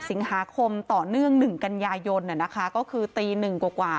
สิงหาคมต่อเนื่องหนึ่งกันยายนเนี่ยนะคะก็คือตีหนึ่งกว่า